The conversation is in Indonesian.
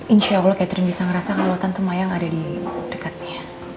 insya allah catherine bisa merasa kalau tante maya tidak ada di dekatnya